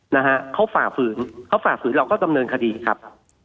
นะฮะเขาฝ่าฝืนเขาฝ่าฝืนเราก็ดำเนินคดีครับ